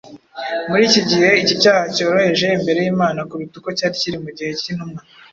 muri iki gihe iki cyaha cyoroheje imbere y’Imana kuruta uko cyari kiri mu gihe cy’intumwa.